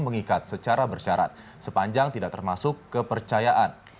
mengikat secara bersyarat sepanjang tidak termasuk kepercayaan